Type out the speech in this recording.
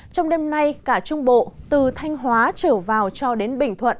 trong đêm nay cả trung bộ từ thanh hóa trở vào cho đến bình thuận